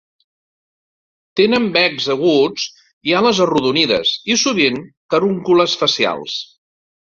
Tenen becs aguts i ales arrodonides, i sovint carúncules facials.